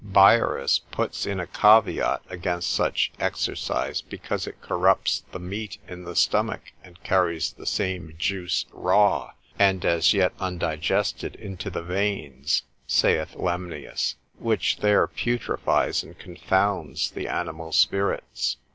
Bayerus puts in a caveat against such exercise, because it corrupts the meat in the stomach, and carries the same juice raw, and as yet undigested, into the veins (saith Lemnius), which there putrefies and confounds the animal spirits.